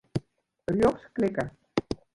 Rjochts klikke.